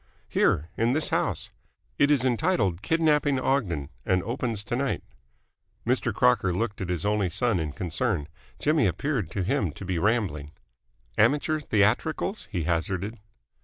"Here. In this house. It is entitled 'Kidnapping Ogden' and opens to night." Mr. Crocker looked at his only son in concern. Jimmy appeared to him to be rambling. "Amateur theatricals?" he hazarded.